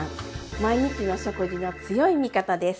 毎日の食事の強い味方です！